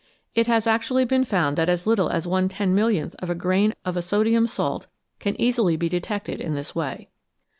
It has actually been found that as little as one ten millionth of a grain of a sodium salt can easily be detected in this way.